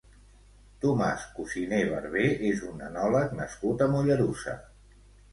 Tomàs Cusiné Barber és un enòleg nascut a Mollerussa.